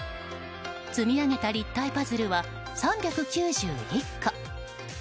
積み上げた立体パズルは３９１個。